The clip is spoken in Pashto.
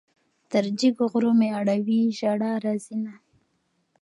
تر جګو غرو مې اړوي ژړا راځينه